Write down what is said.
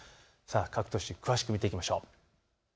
各都市、詳しく見ていきましょう。